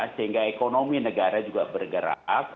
sehingga ekonomi negara juga bergerak